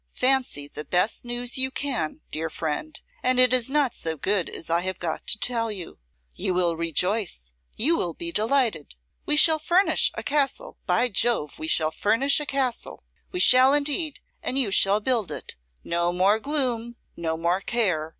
Fancy the best news you can, dear friend, and it is not so good as I have got to tell. You will rejoice, you will be delighted! We shall furnish a castle! by Jove we shall furnish a castle! We shall indeed, and you shall build it! No more gloom; no more care.